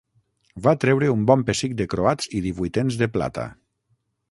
Va treure un bon pessic de croats i divuitens de plata